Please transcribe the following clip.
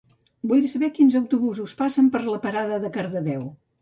Vull saber quins autobusos passen per la parada de Cardedeu.